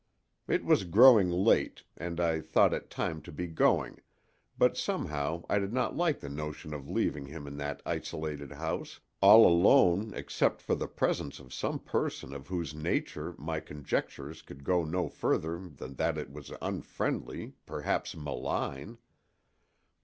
It was growing late and I thought it time to be going, but somehow I did not like the notion of leaving him in that isolated house, all alone except for the presence of some person of whose nature my conjectures could go no further than that it was unfriendly, perhaps malign.